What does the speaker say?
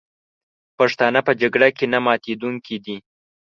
پښتانه په جګړه کې نه ماتېدونکي دي.